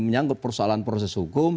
menyangkut persoalan proses hukum